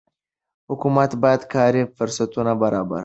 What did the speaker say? حکومت باید کاري فرصتونه برابر وکړي.